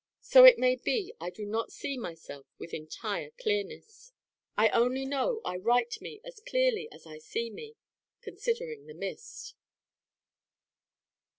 So it may be I do not see myself with entire clearness I only know I write me as clearly as I see me, considering the Mist.